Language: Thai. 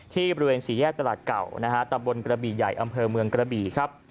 ที่บริเวณศรีแยกตลาดเก่าตำบลกระบีใหญ่อำเภอเมืองกระบีครับ